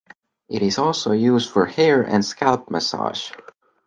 It is also used for hair and scalp massage.